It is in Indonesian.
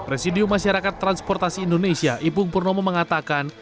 residium masyarakat transportasi indonesia ipung purnomo mengatakan